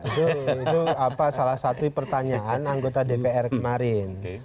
betul itu salah satu pertanyaan anggota dpr kemarin